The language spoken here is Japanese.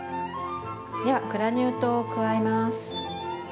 ではグラニュー糖を加えます。